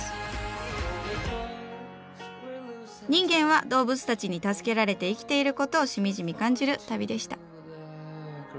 人間は動物たちに助けられて生きていることをしみじみ感じる旅でした。